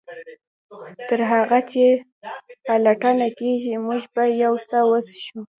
تر هغه چې پلټنه کیږي موږ به یو څه وڅښو